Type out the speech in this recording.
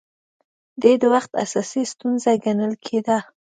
دې د وخت اساسي ستونزه ګڼل کېده